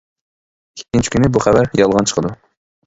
ئىككىنچى كۈنى بۇ خەۋەر يالغان چىقىدۇ.